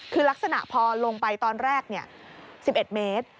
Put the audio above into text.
คือลักษณะพอลงไปตอนแรก๑๑เมตร